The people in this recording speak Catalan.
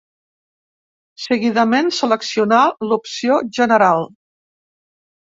Seguidament, seleccionar l’opció “General”.